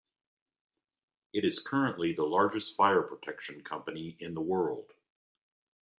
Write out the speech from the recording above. It is currently the largest fire protection company in the world.